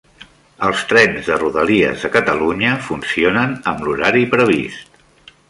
Els trens de Rodalies de Catalunya funcionen amb l'horari previst